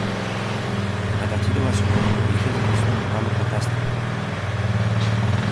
στο μεταξύ το Βασιλόπουλο είχε ζητήσει το μεγάλο Κατάστιχο